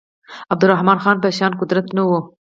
عبدالرحمن خان په شان قدرت نه وو.